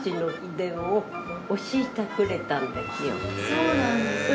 そうなんですね。